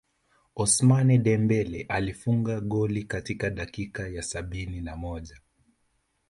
Ousmane Dembele alifunga goli katika dakika ya sabini na moja